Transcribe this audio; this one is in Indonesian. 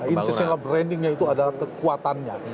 intional brandingnya itu adalah kekuatannya